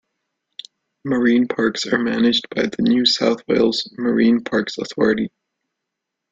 Marine Parks are managed by the New South Wales Marine Parks Authority.